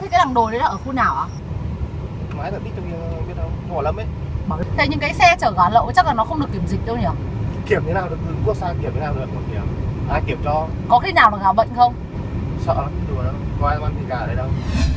sợ lắm đùa lắm có ai có ăn cái gà ở đây đâu